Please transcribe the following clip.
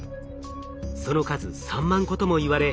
その数３万個ともいわれ